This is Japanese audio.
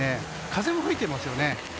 風も吹いていますよね。